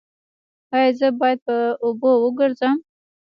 ایا زه باید په اوبو وګرځم؟